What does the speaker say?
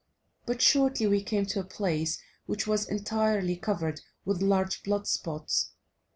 But shortly we came to a place which was entirely covered with large blood spots.